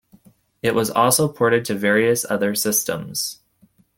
It was also ported to various other systems.